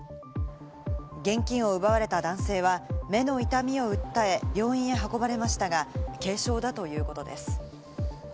現金を奪われた男性は目の痛みを訴え、病院へ運ばれましたが、軽傷だということです。